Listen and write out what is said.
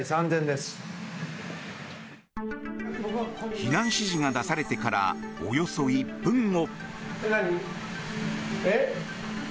避難指示が出されてからおよそ１分後。